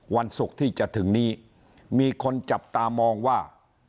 วันศุกร์ที่จะถึงนี้มีคนจับตามองว่า